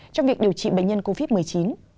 trong việc điều trị bệnh nhân covid một mươi chín